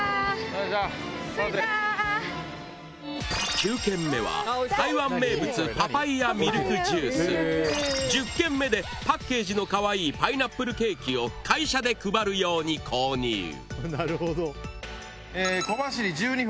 ９軒目は台湾名物パパイヤミルクジュース１０軒目でパッケージのかわいいパイナップルケーキを会社で配る用に購入小走り１２分。